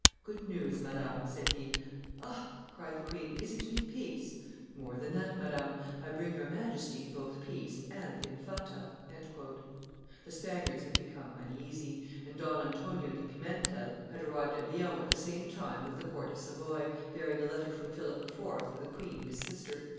'Good news, madam,' said he. 'Ah!' cried the queen, 'is it to be peace?' 'More than that, Madame; I bring your Majesty both peace and the Infanta.'" The Spaniards had become uneasy; and Don Antonio de Pimentel had arrived at Lyons at the same time with the court of Savoy, bearing a letter from Philip IV. for the queen his sister.